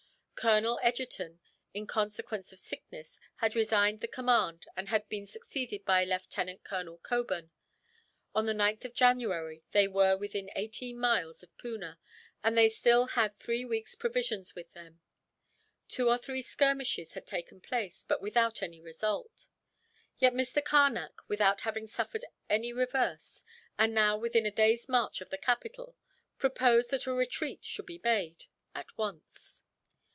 Colonel Egerton, in consequence of sickness, had resigned the command; and had been succeeded by Lieutenant Colonel Cockburn. On the 9th of January they were within eighteen miles of Poona, and they had still three weeks' provisions with them. Two or three skirmishes had taken place, but without any result; yet Mr. Carnac, without having suffered any reverse, and now within a day's march of the capital, proposed that a retreat should be made, at once.